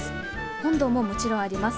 本堂ももちろんあります。